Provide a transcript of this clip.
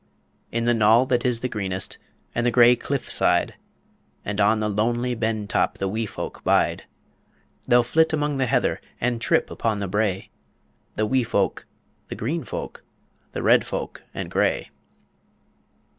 In the knoll that is the greenest, And the grey cliff side, And on the lonely ben top The wee folk bide; They'll flit among the heather, And trip upon the brae The wee folk, the green folk, the red folk and grey.